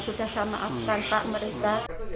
sudah saya maafkan pak mereka